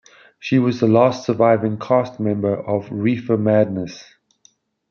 She was the last surviving cast member of "Reefer Madness".